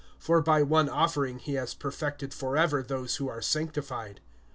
(14)For by one offering he has perfected forever those who are sanctified.